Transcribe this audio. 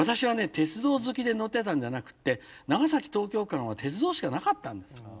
鉄道好きで乗ってたんじゃなくって長崎東京間は鉄道しかなかったんです。